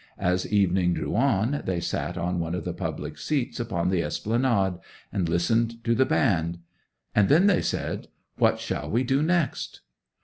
As evening drew on they sat on one of the public seats upon the Esplanade, and listened to the band; and then they said "What shall we do next?"